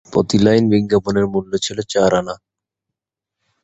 প্রতি লাইন বিজ্ঞাপনের মূল্য ছিল চার আনা।